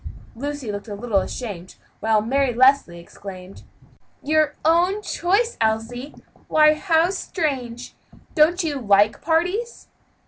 Lucy looked a little ashamed, while Mary Leslie exclaimed: "Your own choice, Elsie? why, how strange! don't you like parties?"